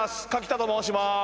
柿田と申します。